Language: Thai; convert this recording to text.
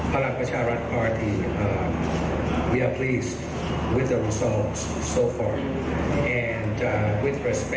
พระราชประชารักษ์